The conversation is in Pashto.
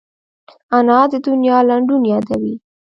انا د دنیا لنډون یادوي